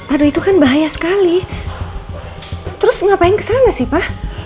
aduh itu kan bahaya sekali terus ngapain kesana sih pak